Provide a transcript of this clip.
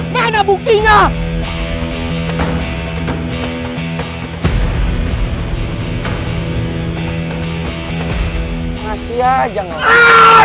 laay dia tahu magill baru maupun dokter